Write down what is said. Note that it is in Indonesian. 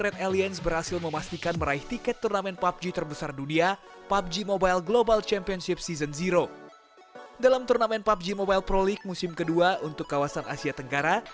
dalam pubg mobile pro league musim kedua untuk kawasan asia tenggara